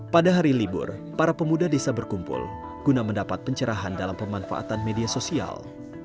pada hari libur para pemuda desa berkumpul guna mendapat pencerahan dalam pemanfaatan media sosial